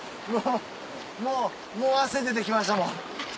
もうもう汗出て来ましたもん。